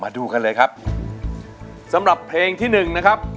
ดูกันเลยครับสำหรับเพลงที่หนึ่งนะครับ